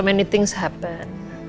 banyak hal yang terjadi